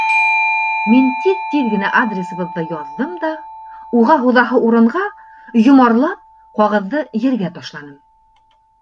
Мин тиҙ-тиҙ генә адресыбыҙҙы яҙҙым да, уға һуҙаһы урынға, йомарлап, ҡағыҙҙы ергә ташланым.